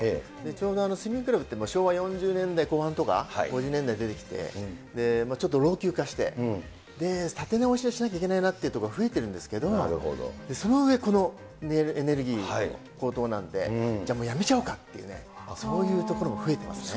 ちょうどスイミングクラブって、昭和４０年代後半とか、５０年代に出てきて、ちょっと老朽化して、建て直しをしなきゃいけないなというところが増えているんですけど、その上、このエネルギー高騰なんで、じゃもう、やめちゃおうかっていう、そういうところも増えていますね。